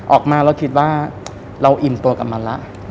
ออกมาเราคิดว่าเราอิ่มตัวกับมันแล้ว